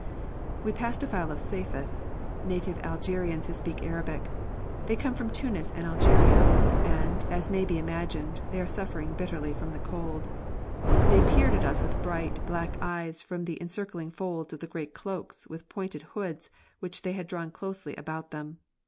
We passed a file of Spahis, native Algerians who speak Arabic. They come from Tunis and Algeria, and, as may be imagined, they were suffering bitterly from the cold. They peered at us with bright, black eyes from the encircling folds of the great cloaks with pointed hoods which they had drawn closely about them.